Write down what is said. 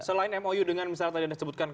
selain mou dengan misalnya tadi yang disebutkan